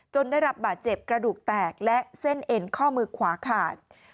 ได้รับบาดเจ็บกระดูกแตกและเส้นเอ็นข้อมือขวาขาด